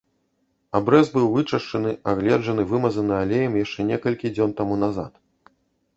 Абрэз быў вычышчаны, агледжаны, вымазаны алеем яшчэ некалькі дзён таму назад.